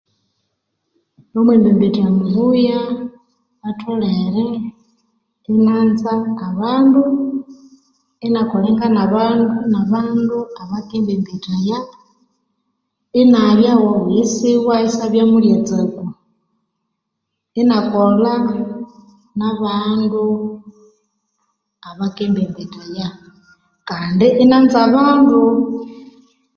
Omwembembetya mubuya atholere inianza abandu, inakolengana nabandu abakambembethaya, inabya owo buyisiwa isyabya mulyatsaku. Inakolha nabandu abakambembethaya kandi inanza abandu.